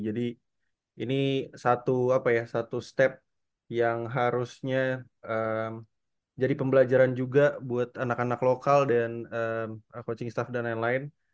jadi ini satu step yang harusnya jadi pembelajaran juga buat anak anak lokal dan coaching staff dan lain lain